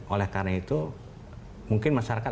oleh karena itu mungkin masyarakat